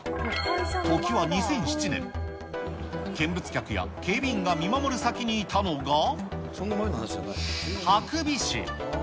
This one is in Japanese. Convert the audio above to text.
時は２００７年、見物客や警備員が見守る先にいたのがハクビシン。